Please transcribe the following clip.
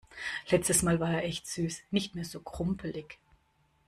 Letztes mal war er echt süß. Nicht mehr so krumpelig.